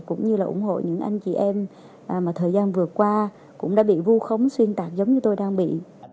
cũng như là ủng hộ những anh chị em mà thời gian vừa qua cũng đã bị vu khống xuyên tạc giống như tôi đang bị